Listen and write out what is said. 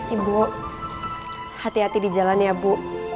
ibu hati hati di jalan ya bu